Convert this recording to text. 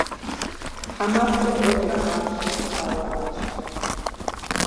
ХьэмаскӀэр гъуэм ирагъапщхьэу щытауэ аращ.